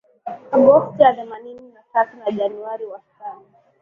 Agosti ya themanini na tatu na Januari wastani